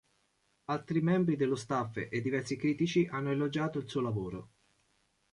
Altri membri dello staff e diversi critici hanno elogiato il suo lavoro.